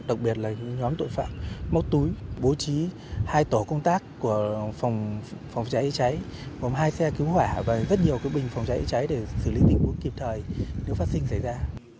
đặc biệt là nhóm tội phạm móc túi bố trí hai tổ công tác của phòng cháy cháy gồm hai xe cứu hỏa và rất nhiều bình phòng cháy cháy để xử lý tình huống kịp thời nếu phát sinh xảy ra